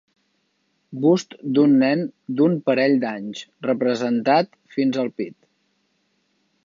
Bust d'un nen d'un parell d'anys, representat fins al pit.